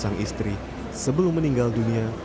sang istri sebelum meninggal dunia